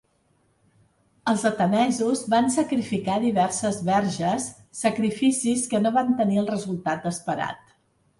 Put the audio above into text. Els atenesos van sacrificar diverses verges, sacrificis que no van tenir el resultat esperat.